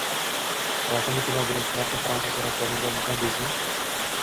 Rasmli kino birinchi marta fransuz rassomi va muhandisi E